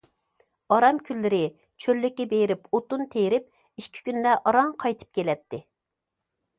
ئارام كۈنلىرى چۆللۈككە بېرىپ ئوتۇن تېرىپ ئىككى كۈندە ئاران قايتىپ كېلەتتى.